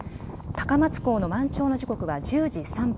高松港の満潮の時刻は１０時３分